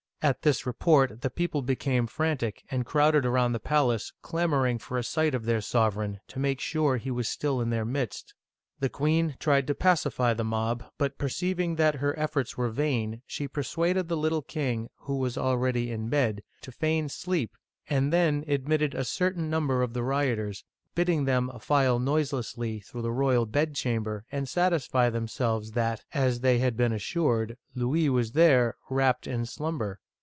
At this report the people became frantic, and crowded around the palace, clamoring for a sight of their sovereign, to make sure he was still in their midst. The queen tried to pacify the mob, but perceiving that her efforts were vain, she persuaded the little king — who was already in bed — to feign sleep, and then admitted a cer tain number of the rioters, bidding them file noiselessly through the royal bedchamber and satisfy themselves that, as they had been assured, Louis was there, wrapped in slumber.